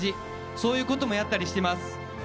そういうこともやったりしてます。